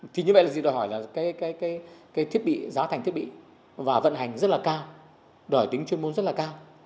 thì như vậy là gì đòi hỏi là cái thiết bị giá thành thiết bị và vận hành rất là cao đòi tính chuyên môn rất là cao